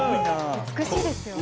美しいですよね。